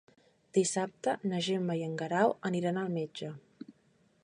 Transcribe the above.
Dissabte na Gemma i en Guerau aniran al metge.